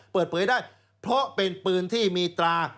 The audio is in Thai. เปิดเผยได้เพราะเป็นปืนที่มีตรา